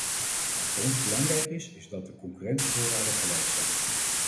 Wat voor ons erg belangrijk is, is dat de concurrentievoorwaarden gelijk zijn.